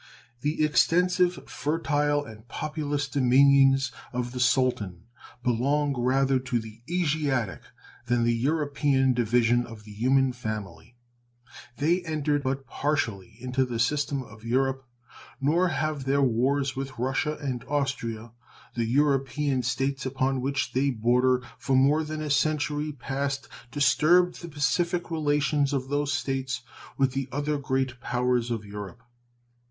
The extensive, fertile, and populous dominions of the Sultan belong rather to the Asiatic than the European division of the human family. They enter but partially into the system of Europe, nor have their wars with Russia and Austria, the European States upon which they border, for more than a century past disturbed the pacific relations of those States with the other great powers of Europe.